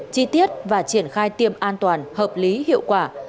chi tiết và triển khai tiêm an toàn hợp lý hiệu quả